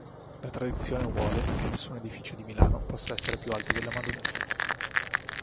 La tradizione vuole che nessun edificio di Milano possa essere più alto della Madonnina.